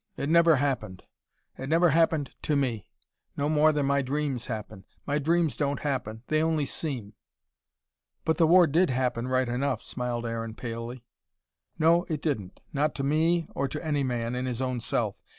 It never happened. It never happened to me. No more than my dreams happen. My dreams don't happen: they only seem." "But the war did happen, right enough," smiled Aaron palely. "No, it didn't. Not to me or to any man, in his own self.